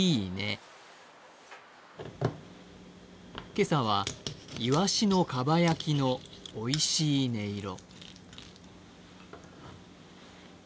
今朝はイワシの蒲焼きのおいしい音色。